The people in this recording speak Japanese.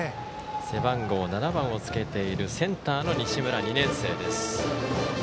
背番号７番をつけているセンターの西村、２年生です。